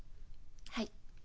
はい。